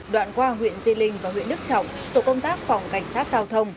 đoạn qua huyện di linh và huyện đức trọng tổ công tác phòng cảnh sát giao thông